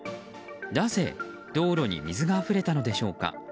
なぜ、道路に水があふれたのでしょうか。